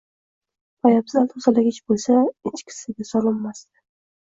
Poyabzal tozalagich bo'lsa, ich kissaga solinmasdi.